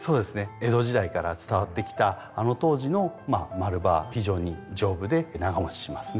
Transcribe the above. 江戸時代から伝わってきたあの当時の丸葉非常に丈夫で長もちしますね。